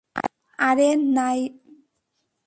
আরে, নাইয়োবি!